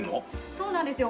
そうなんですよ。